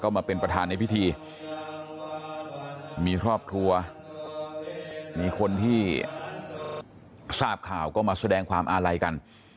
มาเป็นประธานในพิธีมีครอบครัวมีคนที่ทราบข่าวก็มาแสดงความอาลัยกัน